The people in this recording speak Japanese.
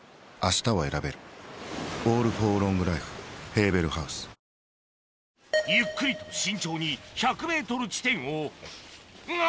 ヤマト運輸ゆっくりと慎重に１００ｍ地点をが！